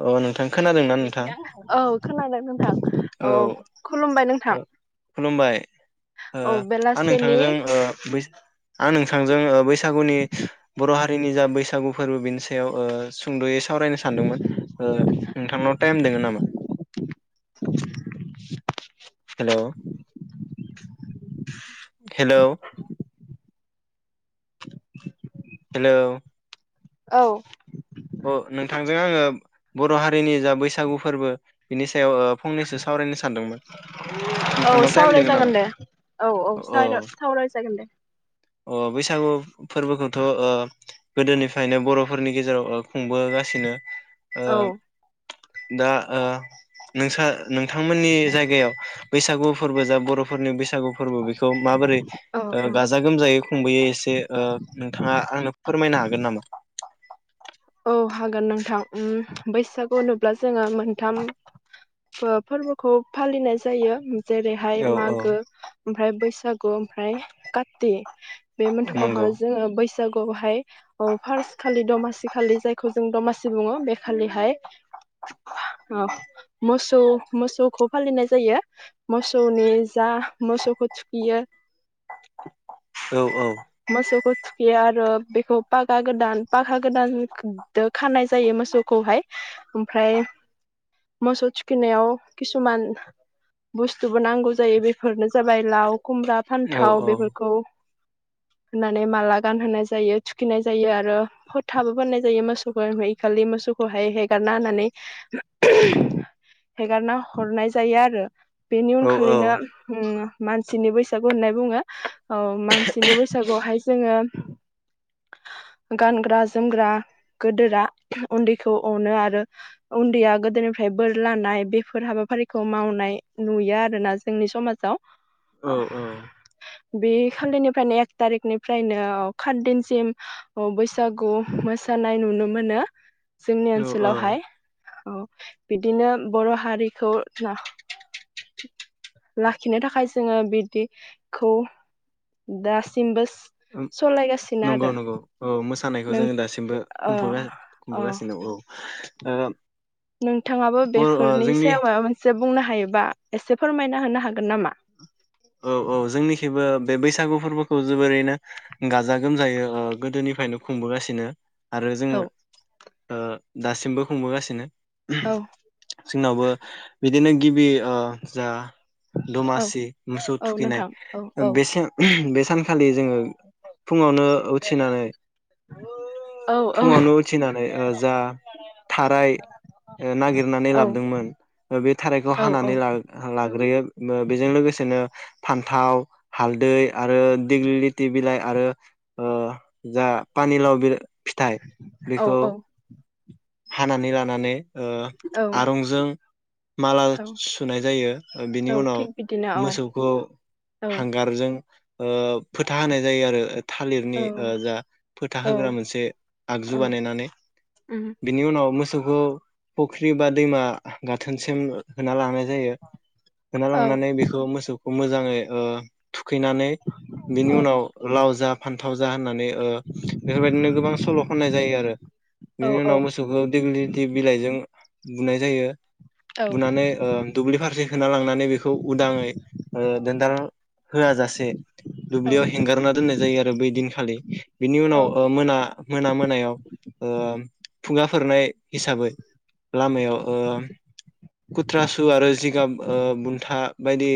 अ नोंथां खोनादोंना नोंथां औ खोनादों नोंथां औ खुलुमबाय नोंथां ओ खुलुमबाय ओ औ आं बेलासिनि नोंथांजों बै नों थांजों बैसा गुनि बर' हारि जैनि जा बैसागु फोरबो बिनि सायाव ओ सुंदयै सावरायनो सानदोंमोन ओ नोंथांनाव टाइम दङ नामा? हेल' हेल' हेल' औ अ नोंथांजों आङो बर' हारिनि जा बैसागु फोरबो बिनि सायाव ओ फंनैसो सावरायनो सानदोंमोन औ नोंथांनाव टाइम सावराय दोङो नामा जागोन दे औ औ सारे-सावराय जागोन दे। अ बैसागु फोरबोखौथ' ओ गोदोनिफ्रायनो बर'फोरनि गेजेराव ओ खुंबोगासिनो ओ औ दा ओ नोंसोर नोंथांमोननि जायगायाव बैसागु फोरबो जा बर'फोरनि बैसा सागु फोरबो बेखौ माबोरै ओ औ गाजा गोमजायै खुंबोयो एसे ओ नोंथाङा आंनो फोरमायनो हागोन नामा? औ हागोन नोंथां उम बैसागु होनुब्ला जोङो मोनथाम फोरबोखौ फालिनाय जायो। जेरैहाय औ औ मागो ओमफ्राय बैसा सागु ओमफ्राय काति बे नंगौ मोनथामावहाय जोङो बै सागुआव हाय फर्स्ट खालि दमासि खालि जायखौ जों दमासि बुङो बे खालिहाय मोसौ मोसौखौ फालिनाय जायो मोसौनि जा मोसौखौ थुखियो औ औ मोसौखौ थुखियो आरो बेखौ फागा गोदान पागा गोदानो खानाय जायो मोसौखौहाय ओमफ्राय मोसौ थुखिनायाव किसुमान बुस्थुबो नांगौ जायो। बेफोरनो जाबाय लाव खुमब्रा औ फान्थाव औ बेफोरखौ होननानै माला गानहोनाय जायो थुखिनाय जायो आरो फोथाबो फोननाय जायो मोसौखौ खालि मोसौखौहाय हेगारना होनानै हेगारना हरनाय जायो आरो बेनि औ उनखालिनो उम मानसिनि बैसागु होननाय बुङो। ओ स्नि बैसागुआवहाय जोङो गानग्रा जोमग्रा गोदोरा उन्दैखौ अनो आरो उन्दैया गोदोरनिफ्राय बोर लानाय बेफोर हाबाफारिखौ मावनाय नुयो आरोना जोंनि समाजाव औ औ। बे खालिनो ओमफ्रायनो एक थारिकनिफ्रायनो खाथ दिनसिम बैसागु मोसानाय नुनो मोनो। जोंनि औ औ ओनसोलावहाय। औ बिदिनो बर' हारिखौ न लाखिनो थाखाय जोङो बिदिखौ दासिमबो सालायगासिनो नंगौ आरो नंगौ औ मो मोसानायखौ नों जोङो दासिमबो खुंफुङो ओ अ खुंबोगासिनो औ। ओ नोंथाङाबो बर' ओ बेफोरनि जोंनि सायाव मायबा मोनसे बुंनो हायोबा एसे फोरमायना होनो हागोन नामा? औ औ जोंनिखिबो बे बैसागु फोरबोखौ जोबोरैनो गाजा गोमजायै ओ गोदोनिफ्रायनो खुंबोगासिनो। आरो औ जोंङो ओ दासिमबो खुंबोगासिनो। उम। औ जोंनावबो बिदिनो गिबि ओ जा औ दमासि मोसौ औ थुखैनाय नोंथां औ औ बेसिम बे सानखालि जोङो फुङावनो उथिनानै औ औ फुङावनो उथिनानै ओ जा थाराय ओ नागिरनानै औ लाबोदोंमोन बे थारायखौ औ हानानै लाग्रोयो बेजों लोगोसे फान्थाव हालदै आरो दिग्लि लिथि बिलाइ आरो जा पानिलाव बि फिथाइ बेखौ औ हानानै लानानै ओ औ आरंजों माला औ सुनाय जायो बिनि औ उनाव थिग बिदिनो औ मोसौखौ औ हांगारजों ओ फोथा होनाय जायो आरो थालिरनि औ ओ जा फोथा औ होग्रा मोनसे औ आगजु बानायनानै उम बिनि उनाव मो मोसौखौ फुख्रि बा दैमा गाथोनसिम होना लाङो जायो होना औ लांनानै बेयो मोसौखौ मोजाङै ओ थुखैनानै बिनि औ उनाव लाव जा फान्थाव जा होननानै ओ बेफोरबायदिनो गोबां सल खननाय जायो आरो औ बिनि उनाव मोसौखौ दिगलिथि बिलाइजों बुनाय जायो। बुनानै ओ दुब्लि फारसे होना लांनानै बेखौ उदाङै ओ दोनदाल होआ जासे दुब्लियाव हेंगारना दोननाय जायो आरो बै दिनखालि बिनि औ उनाव ओ मोना मोना मोनायाव ओ खुगाफोरनाय हिसाबै। लामायाव ओ खुथ्रा सु आरो जि गाब ओ बुन्था बायदि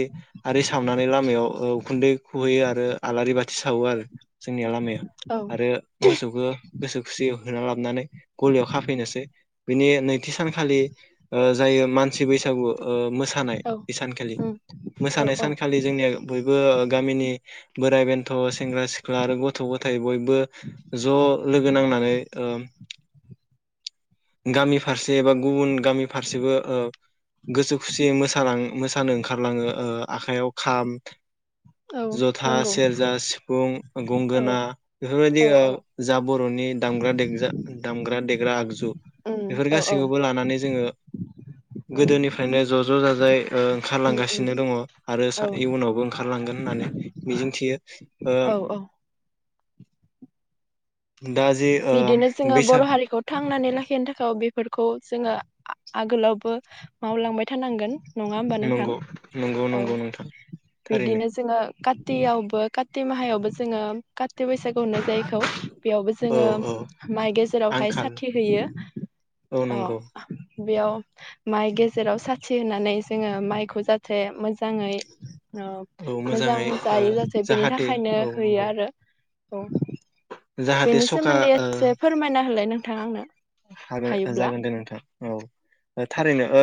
आरि सावनानै लामायाव ओ उखुन्दै खुहैयो आरो आलारि बाथि सावो आरो जोंनिया लामाया आरो मोसौखो गोसो खुसियो होना लाबोनानै गलियाव खाफैनोसै। बिनि नैथि सानखालि ओ जायो मानसि बैसागु ओ मो मोसानाय बे सानखालि। उम औ मोसानाय औ सानखालि जोंनि ओ बयबो गामिनि बोराइ बेन्थ सेंग्रा सिख्ला आरो गथ' गथाय बयबो बो ज लोगो नांनानै ओ गामि फारसे एबा गुबुन गामि फारसेबो ओ गोसो खुसियै मोसालां-मोसानो ओंखारलाङो ओ आखाइयाव खाम औ जथा नंगौ सेरजा सिफुं औ गंगोना बेफोरबायदि औ औ ओ जा बर'नि दामग्रा देग्रा दामग्रा दे ग्रा आगजु। उम बेफोर औ औ गासैखौबो लानानै जोङो उम गोदोनिफ्रायनो ज' ज' जाजाय ओ उम उम ओंखारलांगासिनो दङ आरो औ सा इयुनावबो ओंखार लांगोन होननानै मिजिंथियो। ओ औ औ दा जे ओ बिदिनो जोङो बर' बैसाग हारिखौ थांनानै लाखिनो थाखाय बेफोरखौ जोङो आ-आगोलावबो मावलांबाय थानांगोन। नङा होम्बा नोंथां नंगौ नंगौ औ नंगौ नोंथां थारैनो बिदिनो जोङो गा दैयावबो काति माहायावबो जोङो कातिग काति बैसागु होनो जायखौ बेयावबो औ जोङो औ माइ गेजेरावहाय आंखाल साथि होयो औ नंगौ अ बेयाव माइ गेजेराव साथि होनानै जोङो माइखौ जाहाथे मोजाङै ओ औ मोजां मोजाङै ओ जायो जाथो बेनि जाहाथे थाखायनो औ होयो नंगौ आरो औ जाहाथे बेनि सखा सोमोन्दै ओ एसे फोरमायना होलाय नों नोंथां आंनो, हागोन हायोब्ला जागोन दे नोंथां औ थारैनो ओ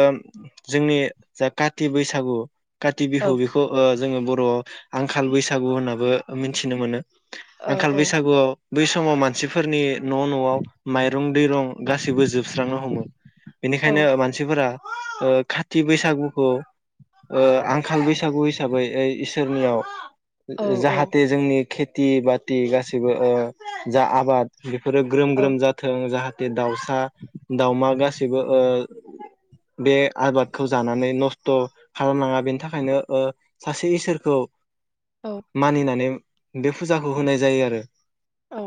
जोंनि जा काति बैसागु काति औ बिहु बेखौ ओ जोङो बर'आव आंखाल बैसागु होननाबो मिथिनो मोनो औ आंखाल औ बैसागुआव बै समाव मानसिफोरनि न' न'आव माइरं गासैबो जोबस्रांनो हमो औ बेनिखायनो मानसिफोरा ओ खाथि बैसागुखौ ओ आंखाल बैसागु हिसाबै इसोरनियाव औ औ जाहाथे जोंनि खे थि बाथि गासिबो ओ जा आबाद बेफोरो ग्रोम औ ग्रोम जाथों जाहाथे दाउसा दाउमा गासैबो ओ बे आबादखौ जानानै नस्थ खालामलाङा बेनि थाखायनो ओ सासे इसोरखौ औ मानिनानै बे फुजाखौ होनाय जायो आरो औ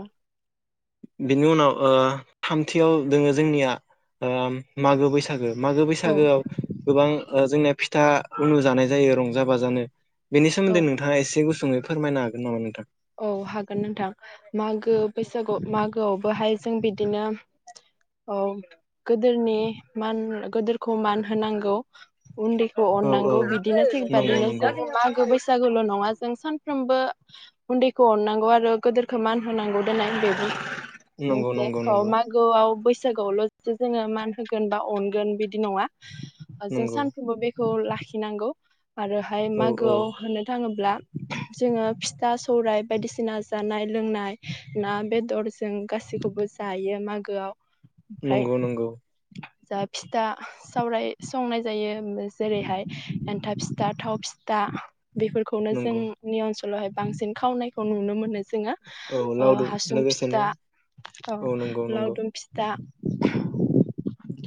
बिनि उनाव ओ थामथियाव दोङो जोंनिया ओ मागो बैसागो मागो औ बैसागोआव गोबां ओ जोंनिया फि था [unintelligible] जानाय जायो रंजा बाजानो। बेनि औ सोमोनदै नोंथाङा एसे गु सुङै फोरमायनो हागोन नामा नोंथां? औ हागोन नोंथां मागो बैसागु मागोआवबोहाय जों बिदिनो औ गोदोरनि मान गोदोरखौ मान होनांगौ उन्दैखौ औ औ अननांगौ बिदिनो [unintelligible] जों नंगौ मागो नंगौ बैसागु बैसागुल' नङा जों सानफ्रोमबो उन्दैखौ अननांगौ आरो गोदोरखौ मान होनांगौ दोनाय बेबो नंगौ नंगौ [unintelligible] नंगौ मागोआव बै सागुआवल जोङो मान होगोन बा अनगोन बिदि नङा। जों नंगौ सानफ्रोमबो बे खौ लाखिनांगौ आरोहाय औ औ मागोआव होननो थाङोब्ला जोङो फिथा सौराइ बायदिसिना जानाय लोंनाय ना बेदर जों गासैखौबो जायो मागोआव ओमफ्राय नंगौ नंगौ। जा फिथा सावराय संनाय जायो जेरैहाय एन्थाब फिथा थाव फिथा बेफोरखौनो नंगौ जोंनियाव सु उनावहाय बांसिन, खावनायखौ नुनो मोनो, जोंहा औ ओ लावदुम हासुं लोगोसेनो फिथा अ औ नंगौ नंगौ लावदुम फिथा, [unintelligible]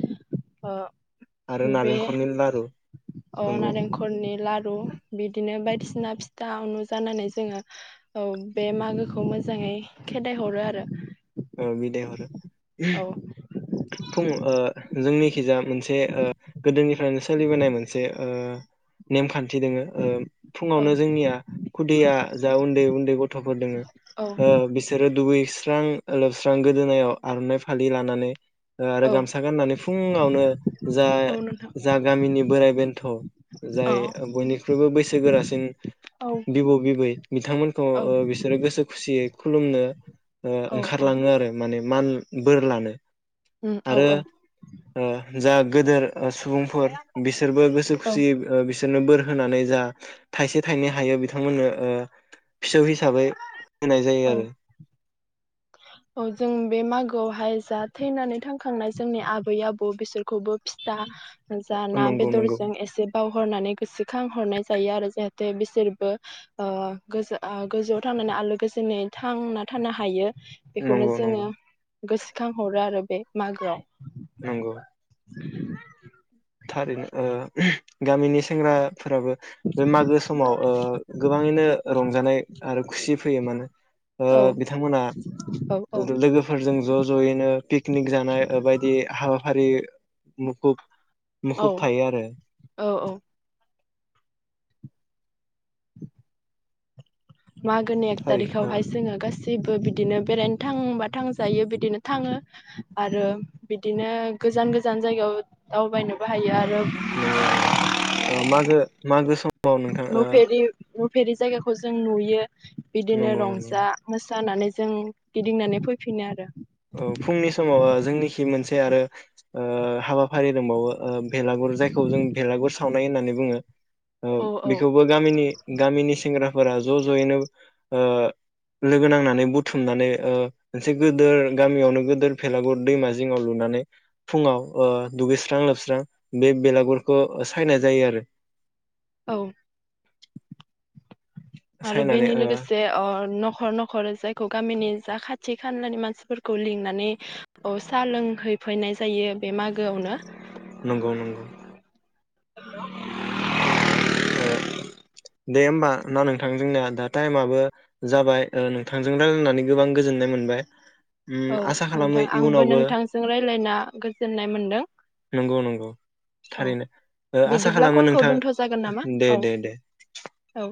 हो आरो नारेंखरनि लारु अ नंगौ नारेंखरनि लारु उ बिदिनो बायदिसिना फिथानु जानानै जोङो ओ बे मागोखौ मोजाङै खेदायहरो आरो अ बिदाय हरो, औ फुं ओ जोंनि खिजा मोनसे ओ गोदोनिफ्रायनो सोलिबोनाय मोनसे ओ नेमखान थि दङो औ फुङावनो जोंनिया खुदिया जा उन्दै उन्दै गथ'फोर दङ औ ओ बिसोरो दुगै इस्रां लोबस्रां गोदोनायाव आरनाइ फालि लानानै, ओ आरो औ गामसा गाननानै फुङावनो जा औ नोंथां जा गामिनि बोराइ बेन्थ औ जाय बयनिख्रुइबो बैसो गोरासिन औ बिबौ बिबै बिथांमोनखौ औ ओ बिसोरो गोसो खुसियै, खुलुमनो औ ओंखारलाङो आरो माने, मान बोर लानो आरो औ ओ जा, गोदोर ओ सुबुंफोर बिसोरबो गोसो औ खुसियै बिसो बिसोरनो बोर होनानै जा थाइसे थाइनै हायो बिथांमोननो ओ फिसौ हिसाबै, होनाय जायो औ आरो औ जों बे मागोआवहाय जा थैनानै थांखांनाय जोंनि आबै आबौ बिसोरखौबो फिथा, जा ना, नंगौ नंगौ बेदरजों एसेबाव हरनानै गोसोखां हरनाय जायो आरो जाहाथे बिसोरबो ओ गो-गोजौआव थांनानै आलो गोजोनै थांना थानो हायो, बेखौनो नंगौ नंगौ जोङो गोसोखां हरो आरो बे मागोआव नंगौ [unintelligible] थारैनो ओ गामिनि सेंग्रा, फोराबो बे मागो समाव ओ गोबाङैनो रंजानाय आरो खुसि, फैयो मानो? ओ औ बिथांमोना औ औ लोगोफोरजों ज' जयैनो पिकनिक जानाय बायदि हा हारि मुखुब औ मुखुब थायो आरो। औ औ मागोनि एक थारै ओ थारिखआवहाय जोङो गासै गासैबो बिदिनो बेरायनो थांबा थांजायो बिदिनो थाङो आरो बिदिनो गोजान गोजान जायगायाव दावबायनोबो हायो आरो। नंगौ नंगौ मागो-मागो सम नुफेरि नुफेरि जायगाखौ खौ जों नुयो बिदिनो नंगौ नंगौ रंजा मोसा जानानै जों गिदिंनानै फैफिनो आरो फुंनि समाव ओ जोंनिखि मोनसे आरो हाबाफारि दंबावो ओ भेलागुर जायखौ जों भेलागुर सावनाय होननानै बुङो। ओ औ औ बेखौबो गामिनि-गामिनि सेंग्रा फोरा ज' ज'यैनो ओ लोगो नांनानै बुथुमनानै ओ मोनसे गोदोर गामियावनो गोदोर बेेलागुर दैमा जिङाव लुनानै फुङाव ओ दुगैस्रां लोबस्रां बे बेलागुरखौ सायनाय जायो आरो औ आरो सायनानै बेनि अ ओ लोगोसे न'खर न'खर जायखौ गामिनि जा खाथि खाथि खानलानि मानसिफोरखौ अ लिंनानै सा लोंहैफैनाय जायो बे मागोआवनो नंगौ नंगौ ए दे होमबा ना नोंथांजोंनिया दा टाइमाबो जाबाय ओ नोंथांजों रायजलायनानै गोबां गोजोननाय मोनबाय। उम औ आसा खालामो नोंथां आंबो इयुनावबो नोंथांजों रायलायना गोजोननाय मोनदों नंगौ नंगौ औ थारैनो ओ आसा बिदिब्ला खालामो कलखौ नोंथां दोन्थ जागोन। नामा दे औ दे दे औ